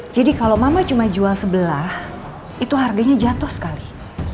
jadi kalau mama cuma jual sebelah itu harganya jatuh sekali